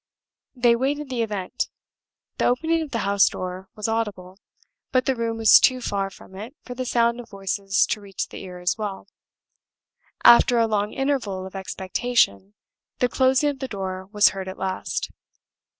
They waited the event. The opening of the house door was audible, but the room was too far from it for the sound of voices to reach the ear as well. After a long interval of expectation, the closing of the door was heard at last.